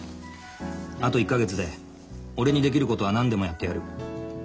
あと１か月で俺にできることは何でもやってやる。